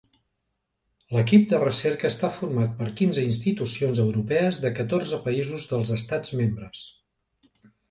L’equip de recerca està format per quinze institucions europees de catorze països dels Estats membres.